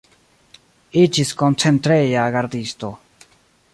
Iĝis koncentreja gardisto.